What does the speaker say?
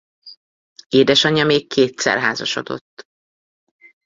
Édesanyja még kétszer házasodott.